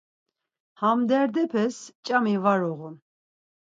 Ham derdepes ç̌ami var uğun.